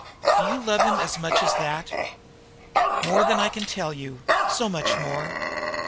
"Do you love him as much as that?" "More than I can tell you so much more!"